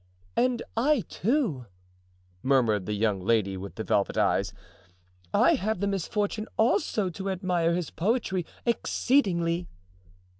"And I, too," murmured the young lady with the velvet eyes. "I have the misfortune also to admire his poetry exceedingly."